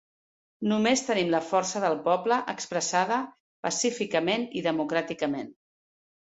Només tenim la força del poble expressada pacíficament i democràticament.